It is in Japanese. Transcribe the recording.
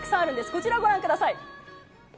こちらご覧ください。